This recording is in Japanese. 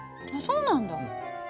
そうなんだ。